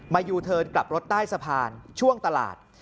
มายูเธอกลับรถใต้สะพานช่วงตลาด